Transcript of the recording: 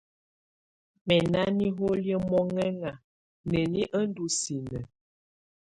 Mǝ na niholi mɔŋɛŋa, neni ɔ ndɔ sinǝ?